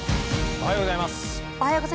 おはようございます。